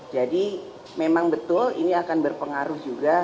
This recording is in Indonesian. jadi memang betul ini akan berpengaruh juga